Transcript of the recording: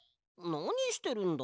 なにしてるんだ？